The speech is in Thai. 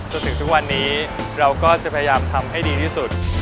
จนถึงทุกวันนี้เราก็จะพยายามทำให้ดีที่สุด